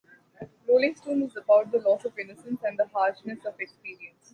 'Rolling Stone' is about the loss of innocence and the harshness of experience.